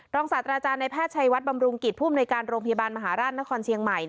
ศาสตราจารย์ในแพทย์ชัยวัดบำรุงกิจผู้อำนวยการโรงพยาบาลมหาราชนครเชียงใหม่